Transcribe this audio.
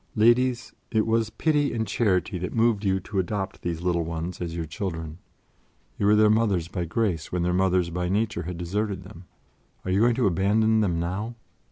"Ladies, it was pity and charity that moved you to adopt these little ones as your children. You were their mothers by grace when their mothers by nature had deserted them. Are you going to abandon them now?